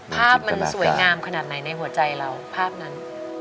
ภาพมันสวยงามขนาดไหนในหัวใจเราภาพนั้น